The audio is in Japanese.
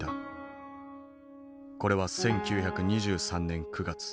これは１９２３年９月。